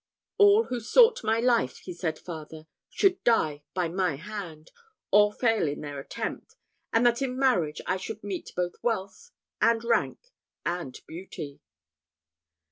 All who sought my life, he said farther, should die by my hand, or fail in their attempt, and that in marriage I should meet both wealth, and rank, and beauty.